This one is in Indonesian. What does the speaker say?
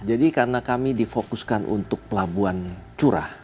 jadi karena kami difokuskan untuk pelabuhan curah